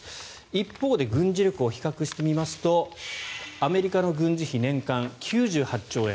一方で軍事力を比較してみますとアメリカの軍事費、年間９８兆円